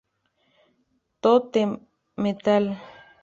To The Metal!